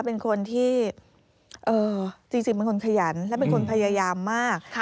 เป็นคนที่จริงเป็นคนขยันและเป็นคนพยายามมาก